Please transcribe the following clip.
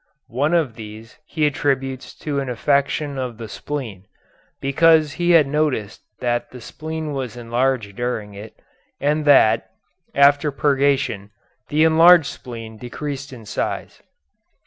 One of these he attributes to an affection of the spleen, because he had noticed that the spleen was enlarged during it, and that, after purgation, the enlarged spleen decreased in size.